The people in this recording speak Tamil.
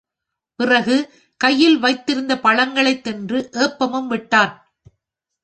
பிறகு கையில் வைத்திருந்த பழங்களைத் தின்று ஏப்பமும் விட்டான்.